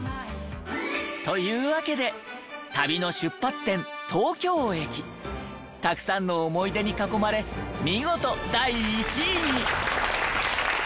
というわけで旅の出発点東京駅たくさんの思い出に囲まれ見事第１位に。